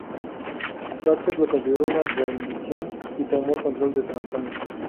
Vásquez lo consideró una rendición y tomó el control de San Antonio.